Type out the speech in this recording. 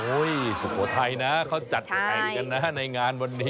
โอ๊ยศุโขทัยนะเขาจัดอัยกรณาในงานวันนี้